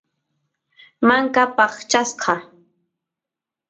manka paqchasqa